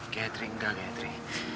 kayatri enggak kayatri